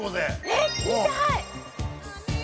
えっ見たい！